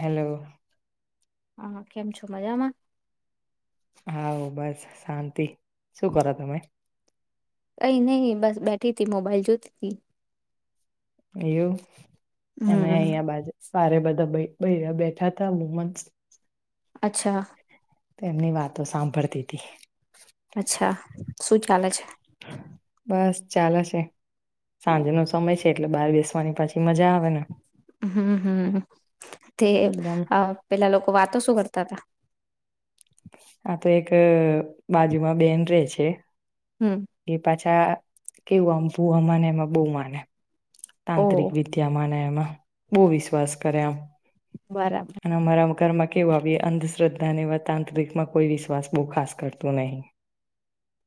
Hello. હા, કેમ છો મજામાં? હા બસ શાંતિ. શું કરો તમે? કઈ નહી બસ બેઠી થી. મોબાઈલ જોતી થી. એવું અમે હમ અહીંયા બાજુ પારે બધો ભે ભ બેઠા થા વુમનસ અચ્છા. તો એમની વાતો સાંભળતી તી અચ્છા શું ચાલે છે બસ ચાલે છે. સાંજ નો સમય છે, એટલે બહાર બેસવાની પાછી મજા આવે ને હમ્મ હમ્મ તે એ બધા અ પેલા લોકો વાતો શું કરતા હતા? આ તો એક બાજુમાં બેન રે છે. હમ એ પાછી આ કેવું આમફુ અમાને એમાં બહુ માને. ઓ તાંત્રિક વિદ્યામાંને એમાં બહુ વિશ્વાસ કરે આમ બરાબર અનેમારા કારમાં કેવું આવીએ અંધશ્રદ્ધાને વા તાંત્રિકમાં કોઈ વિશ્વાસ બહુ ખાસ કરતું નહીં.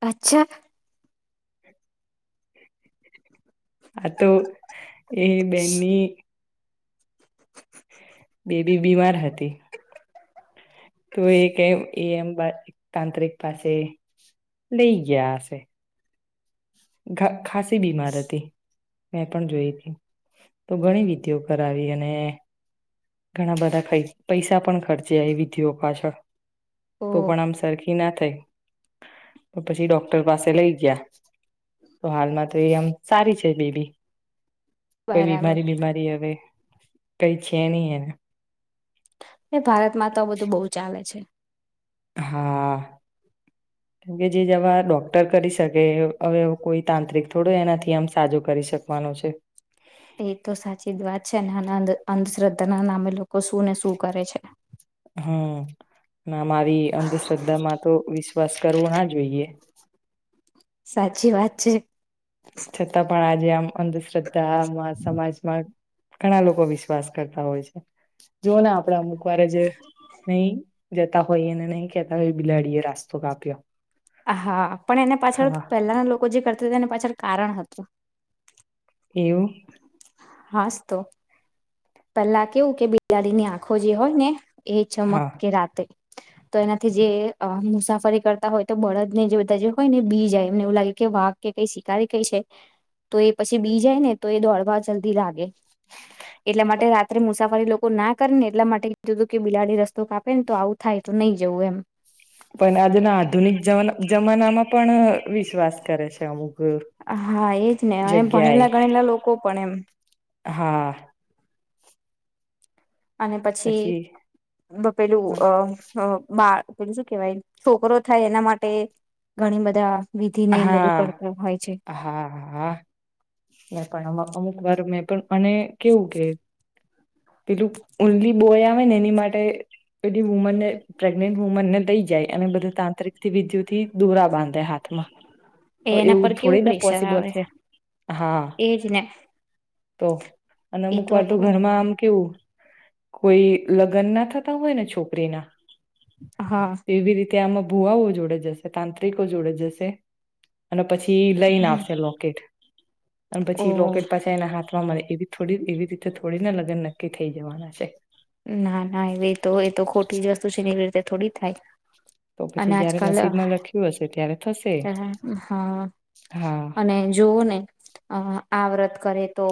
અચ્છા. [inaudible] આ તો એ બેનની બેબી બીમાર હતી. તો એ કઈ એ એમ બા તાંત્રિક પાસે લઈ ગયા હશે. ધા ખાસી બીમાર હતી. મે પણ જોયતી. તો ઘણી વિધિઓ કરાવી અને ઘણા બધા કઈ પૈસા પણ ખર્ચેયા એ વિધિઓ પાછળ. ઓ તો પણ આમ સરખી ના થઈ. પછી ડોક્ટર પાસે લઈ ગયા. તો હાલમાં તો એ આમ સારી છે બેબી. કોઈ બરાબર બીમારી બીમારી હવે કઈ છેની એ [unintelligible] એ ભારતમાં તો બધું બહુ ચાલે છે. હા. કેમ કે જે જવા ડોક્ટર કરી શકે હવે કોઈ તાંત્રિક થોડો એનાથી આમ સાજો કરી શકવાનો છે. એ તો સાચી જ વાત છે. અને આ અંધશ્રદ્ધાના નામે લોકો શુંને શું કરે છે. હમ્મ ના મારી અંધશ્રદ્ધા માં તો વી બસ કરવું ના જોઈએ. સાચી વાત છે છતાં પણ આજે જેમ અંધ શ્રદ્ધા મા સમમાજમાં ઘણા લોકો વિશ્વાસ કરતા હોય છે જોઓ ને આપણે અમુક વાર જ નહી જતા હોઈ અને નહી કેહેતા હોય બિલાડીએ રાસ્તો કાપ્યો હા પણ એને પાછળ હા પહેલાના લોકો જે કરતા તેને પાછળ કારણ હતું એવું હાસ તો પેલા કેવું કે બિલાડીની આંખો જે હોય ને એ ચમક હા કે રાતે તો એનાથી જે મુસાફરી કરતા હોય તો બળદ ને જે બધા જે હોય ને બી જાય એમને એવું લાગે કે વાક કે કઈ શિકારી કઈ છે તો એ પછી બી જાય ને તો એ દોડવા જલ્દી લાગે એટલા માટે રાત્રે મુસાફરી લોકો ના કરે ને એટલા માટે કીધું હતું કે બિલાડી રસ્તો કાપે ને તો આવું થાય તો નહી જવું એમ પણ આજના આધુનિક જમાના માં પણ વિશ્વાસ કરે છે અમુક હા એજ ને અને જગ્યાએ ભણેલા ગણેલા લોકો પણ એમ હા અને પછી પછીપેલું હા અ બાળ પેલું શું કેવાય છોકરો થાય એના માટે ઘણી બધા વિધિને બધું હા કરતા હોય છે. હા હા એ પણ અમુક વાર મે અને કેવું કે પેલું ઓનલી બોય આવે ને એની માટે પે વુમનને પ્રેગ્નેન્ટ વુમનને લઈ જાય અને બધા તાંત્રિક વિધિઓથી દોરા બાંધે હાથમાં એ હ એના પર એવું કેવું થોડી ના પ્રેશર પોસિબલ આવે છે હા એજ ને તો અને એ અમુક વાર તો આખું ઘરમાં આમ કેવું કોઈ લગ્ન ના થતા હોય ને છોકરી ના હા ત્યાંમાં ભુવાઓ જોડે જશે તાંત્રિકો જોડે જશે અને પછી લઈન આવશે લોકેટ અને ઓ પછી લોકેટ પાછા એના હાથમાં મળે એ થોડી એવી રીતે થોડી ના લગ્ન નક્કી થઈ જવાના છે ના ના એવે તો એ તો ખોટી જ વસ્તુ છે એવી રીતે થોડી થાય તો અને પછી જયારે આજકાલ નસીબમાં લખ્યું હશે ત્યારે થશે હ હા અને જોવું ને ્રત કરે તો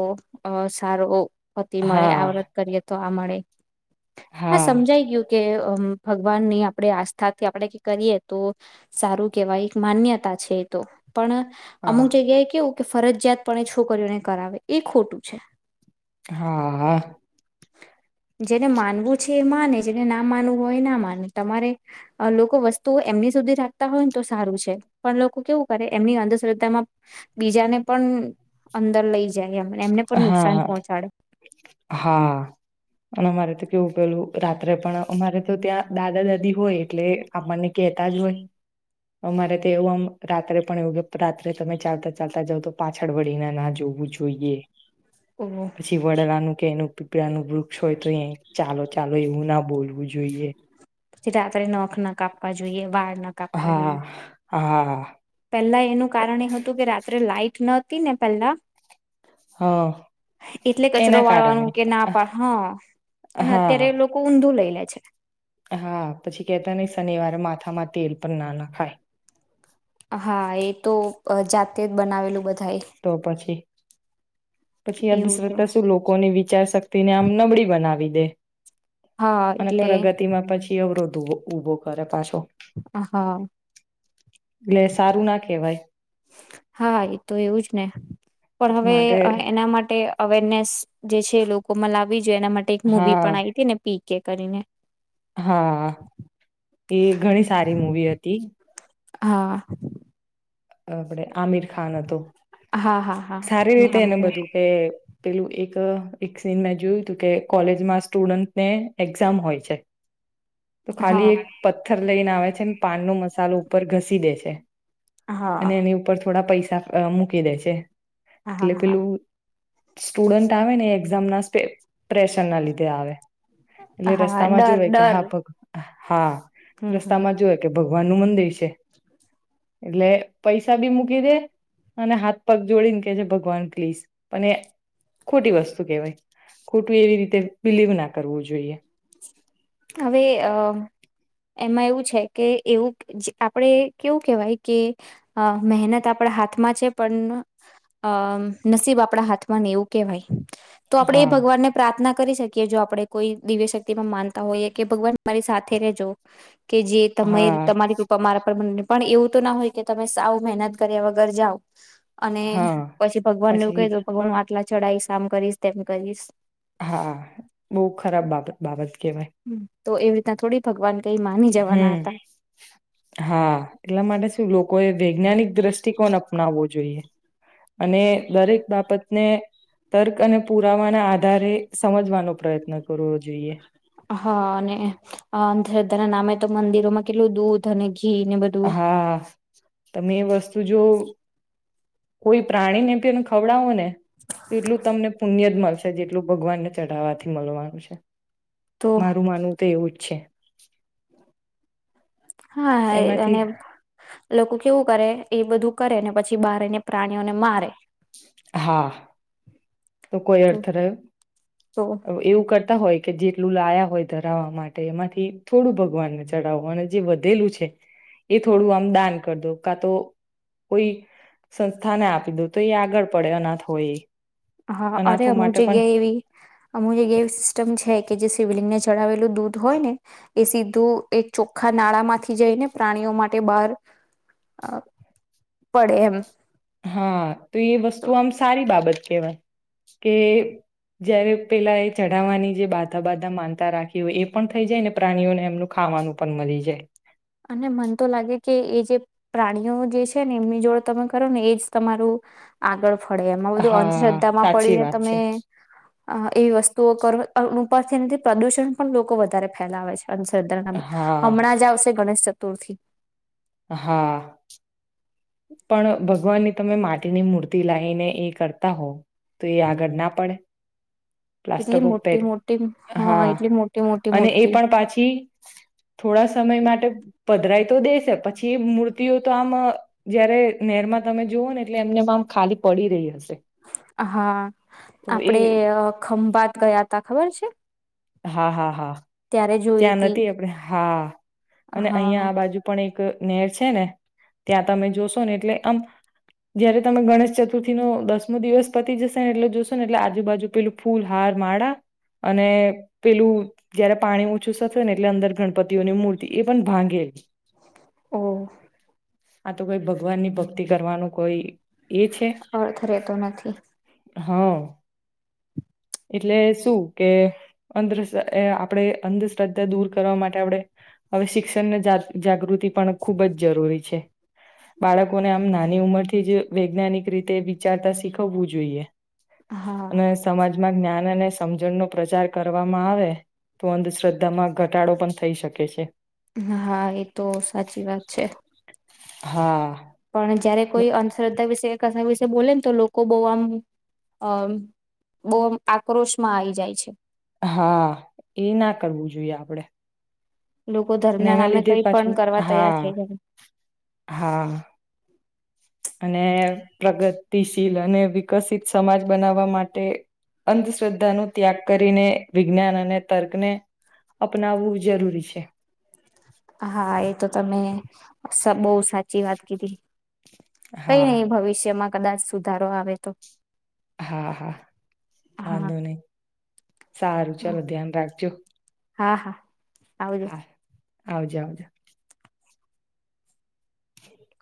અ સારો હતીતી મળે હા આવ વડત કરી હતી તો આ મળે હા સમજાઈ ગયું કે ભગવાન ની આપણે આસ્થાથી આપણે કરીએ તો સારું કેવાય એક માન્યતા છે એ તો પણ હા અમુક જગ્યાએ કેવું કે ફરજિયાત પણ છોકરીઓને કરાવે એ ખોટું છે હા હા જેને માનવું છે એ માને જેને ના માનવું હોય ના માને તમારે લોકો વસ્તુઓ એમની સુધી રાખતા હોય ને તો સારું છે પણ લોકો કેવું કરે એમની અંધશ્રદ્ધામાં બીજાને પણ અંદર લઈ જાય અમે હા હા અને અમારે તો કેવું કેલું રાત્રે પણ અમારે તો ત્યાં દાદા દાદી હોય એટલે આપણને કેતા જ હોય અમારે તો એવું આમ રાત્રે પણ એવું કે રાત્રે તમે ચાલતા ચાલતા જાવ તો પાછળ વળીને ના જોવું જોઈએ ઓહ પછી વડાલાનું કેનું પ્રાણુ ગ્રુક સ ચાલો ચાલ લો એવું ના બોલવું જોઈએ પછી રાત્રે નખ ના કાપવા જોઈએ વાળ ના કાપવા જોઈએ હા હા હ પહેલા એનું કારણ એ હતું કે રાત્રે લાાઈટ ન નેપ ના હ એટલે કચરો એના કારણે વાળવાનું કે ના પા હા અને અત્યારે હા લોકો ઊંધું લઇ લે છે હા પછી કેતા નઈ શનિવારે માથા મા તેલ પણ ના ના ખાય હા એ તો જાત તે જ બનાવેલું બધા તો પછી પછી એવું તો અધશ્રધા શું લોકોની વિચારશક્તિ ને આમ નબળી બનાવી દ બે હા અને એટલે પ્રગતિમાં પછી અવરોધ ઉબો કર પા હ હા એટલે સારું ના કેહેવાય હા એ તો એવું જ ને પણ પછી હવે માટે એના માટે અવેરનેસ જે છે એ લોકોમાં લાવી જો એના માટે એક મૂવી હા પણ આવી હતી ને પીક કે કરીને હા એ ઘણી સારી મૂવી હતી હા આપડે આમિર ખાન હતોું હા હા હા એમાં હ કે પેલું એક એક સીન મેં જોયું તું કે કોલેજમાં સ્ટુડન્ટને એક્ઝામ હોય છે તો હા ખાલી હા એક પથ્થર લઈને આવે છે ને પાન નો મસાલો ઉપ ઘસી દે છે અને હા એની ઉપર થોડા પૈસા મૂકી દે છે હા પિલ હા પિલું સ્ટુડન્ટ આવે ને એક્ઝામ ના પ્રેશર ના લીધે આવે એટલે હા રસ્તા માં ડર જોવેય કે ડર હા પગ હમ હમ હમ રસ્તા માં જોએ કે ભગ વાનુમન દેશ છે છે એટલે પૈસા બી મૂકી દે અને હાથ પગ જોડીને કે છે ભગવાન પ્લીઝ પણ એ ખોટી વસ્તુ કેહેવાય ખોટું એવી રીતે બિલીવ ના કરવું જોઈએ હવે અ એમાં એવું છે કે એવું આપણે કેવું કેહેવાય કે મહેનત આપણા હાથમાં છે પણ અમ નસીબ આપણા હાથમાં ને એવું કેહેવાય તો આપડે એ હા ભગવાનને પ્રાર્થના કરી શકીએ જો આપણે કોઈ દિવ માનતા હોઈએ કે ભગવાન મારી સાથે રજો કે જે તમે હા તમારી કૃપા મારા પર મને પણ એવું તો ના હોય કે તમે સાવ મહેનત કર્યા વગર જાાવ અને હા પછી ભગવાન ને એવું પછી ક ભગવાન આટલા ચઢાવશ આમ કરીશ તેમ કરીશ હા બહુ ખરાબ બાબત બાબત ઓકે ભાઈ તો એવી રીતના થોડી ભગવાન કઈ માની જવાના હમ હતા હા એટલા માટે લોકોએ વૈજ્ઞાનિક દ્રષ્ટિકોણ અપનાવવો જોઈએ અને દરેક બાબત તર્ક અને પુરાવા ના આધારે સમજવાનો પ્રયત્ન કરવો જોઈએ હા અનેને અંધધના નામે તો મંદિરોમાં કેટલું દૂધ અને ઘી ને બધું હા તમે વસ્તુ જો કોઈ પ્રાણી ને પી એને ખવડાવું ને પેલું તમને પુણ્ય જ મળશે જેટલું ભગવાનને ચઢાવવાથી મળવાનું છે તો મારું માનવું તો એવું જ છ હા હા એ અને લોકો કેવું કરે એ બધું કરે ને પછી બાર ને પ્રાણીઓને મારે હા તો કોઈ અર્થ તો રહ્યો એવું કર હોય કે જેટલું લાયા હોય ધરાવવા માટે એમાંથી થોડું ભગવાનને ચડાવો અને જે વધેલું છે એ થોડું આમ દાન કરી દો કા તો કોઈ સંસ્થાને આપી દો તો એ આગળ પડે અનાથ હોય એ હા અરે અનાથો અમુક માટે પણ જગ્યા એવી અમુક જગ્યા એવી સિસ્ટમ છે કે જે સિવલિંગને ચડાવલું દૂધ હોય ને એ સીધું એ ચોખ્ખા નાળા માંથી જઈને પ્રાણીઓ માટે બહાર પડે એમ હા તો એ તો વસ્તુ આમ સારી બાબત કેવાય કે જયારે પેલા એ ચઢાવવાની જે બાધા બાધા માનતા રાખી હોય એ પણ થઈ જાય ને પ્રાણીઓને એમનું ખાવાનું પણ મળી જાય અને મન તો લાગે કે એ જે પ્રાણીઓ જે છે ને એમની જોડે તમે કરો ને એજ તમારું આગળ પડે એમાં બધું હા અંધશ્રદ્ધામાં સાચી પડીને વાત તમે છે એવી વસ્તુઓ કર અ ઉપથી નથી પ્રદૂષણ પણ લોકો વધારે ફેલાવે છે સરદર નામે હા હમણાં જ આવશે ગણેશ ચતુર્થી હા પણ ભગવાનની તમે માટીની મૂર્તિ લાવીને એ કરતા હોવ તો એ આગળ ના પડે એટલી પ્લાસ્ટિક પેર મોટી મોટી હા એટલી મોટી મોટી અને એ મૂર્તિ પણ પાછી થોડા સમય માટે પધરાય તો દેશે પછી મૂર્તિઓ તો આમ જયારે નેર માં તમે જોુઓ ને એટલે એમનેમાંમ ખાલી પડી રહી હશે હા તો એ આપડે ખંભાત ગયા ત ખબર છે હા હા હા ત્યારે જોઈ ત્યાં તી નથી આપણે હા અને અહિયાં હા આ બાજુ પણ એક નેર છે ને ત્યાં તમે જોશો ને એટલે આમ જયારે તમે ગણેશ ચતુર્થી નો દસમો દિવસ પતી જશે ને એટલે જોશો ને એટલે આજુબાજુ પેલું ફૂલ હાર માળા અને પેલું જયારે પાણી છુસા થાય ને એટલે અંદર ગણપતિઓની મૂર્તિ એ પણ ભાંગેલી હમ આ તો કોઈ ભગવાનની ભક્તિ કરવાનું કોઈ એ છે અર્થ રહેેતો નથી હા એટલે શું કે અંધ આપણે અંધશ્રદ્ધા દૂર કરવા માટે આપણે હવે શિક્ષણને જાગૃતિ પણ ખુબ જ જરૂરી છે બાળકોને આમ નાની ઉંમરથી જ વૈજ્ઞાનિક રીતે વિચારતા શીખવવું જોઈએ હા માં જ્ઞાન અને સમજણનોો પ્રચાર કરવામાં આવે તો અંધશ્રદ્ધામાં ઘટાડો પણ થઈ શકે છે હા એ તો સાચી વાત છે હા પણ જયારે કોઈ અંધશ્રદ્ધા વિશે ક વિશે બોલે ને તો લોકો બહુ આમ બહુ આમ આક્રોશમાં આવી જાય છે. હા એ ના કરવું જોઈએ આપડે લોકો ધર્મ અને ના એના નામે લીધે કઈ પાછું પણ કરવા તૈયાર હા થઈ જ હા અને પ્રગતિશીલ અને વિકસિત સમાજ બનાવવા માટે અંધશ્રદ્ધા ન ત્યાગ કરીને વિજ્ઞાન અને તર્કને અપનાવવું જરૂરી છે. હા એ તો તમે બહુ સાચી વાત કીધી. કઈ હા નહી ભવિષ્યમાં કદાચ સુધારો આવે તો હા હા હા વાંધો નહી. સારું હા ચાલો ધ્યાન રાખજો. હા હા. હજ [unintelligible] આવજ આવજો [unintelligible] હ [unintelligible]